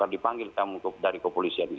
dipanggil kamu dari kepolisian